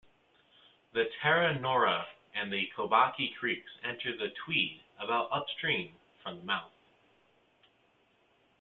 The Terranora and Cobaki creeks enter the Tweed about upstream from the mouth.